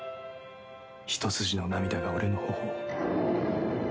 一筋の涙が俺の頬を。